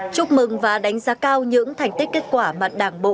chúc mừng và đánh giá cao những thành tích kết quả mà đảng bộ